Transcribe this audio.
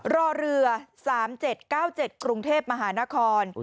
รอเรือ๓๗๙๗กรุงเทพมหานคร